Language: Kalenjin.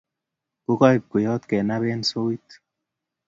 Kakaib kweyot kenab en soit